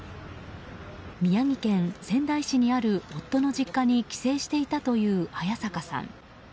宮城県仙台市にある夫の実家に帰省していたという早坂さん。